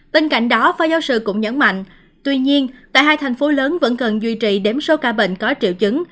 bên cạnh đó phó giáo sư cũng nhấn mạnh tuy nhiên tại hai thành phố lớn vẫn cần duy trì đếm số ca bệnh có triệu chứng